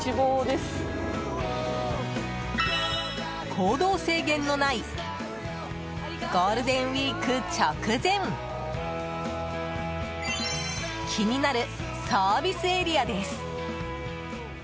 行動制限のないゴールデンウィーク直前気になるサービスエリアです！